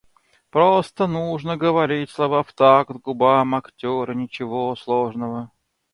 Просто нужно говорить слова в такт губам актера, ничего сложного.